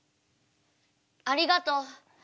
ありがとう。